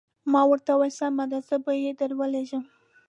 ما ورته وویل سمه ده زه به یې درولېږم.